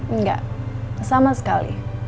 enggak sama sekali